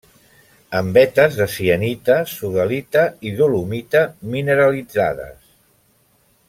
En vetes de sienita, sodalita i dolomita mineralitzades.